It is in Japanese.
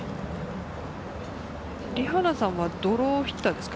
リ・ハナさんはドローヒッターですか？